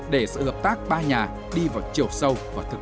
để sự hợp tác ba nhà đi vào chiều sâu và thực